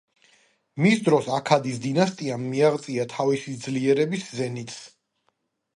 მის დროს აქადის დინასტიამ მიაღწია თავისი ძლიერების ზენიტს.